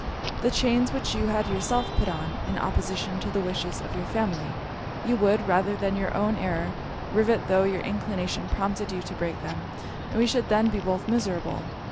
The chains which you had yourself put on, in opposition to the wishes of your family, you would, rather than own your error, rivet, tho' your inclination prompted you to break them; and we should then be both miserable.